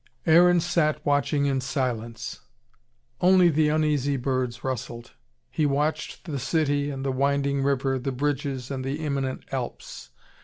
Aaron sat watching in silence. Only the uneasy birds rustled. He watched the city and the winding river, the bridges, and the imminent Alps.